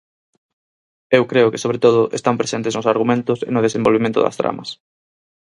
Eu creo que sobre todo están presentes nos argumentos e no desenvolvemento das tramas.